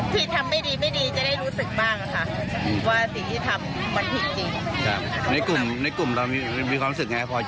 ดีใจกันทุกคนถือว่าประสบความสำเร็จ